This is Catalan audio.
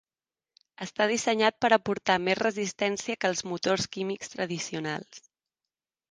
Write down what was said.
Està dissenyat per aportar més resistència que els motors químics tradicionals.